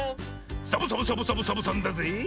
サボサボサボサボさんだぜ！